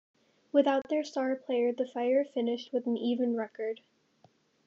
Without their star player, the Fire finished with an even record.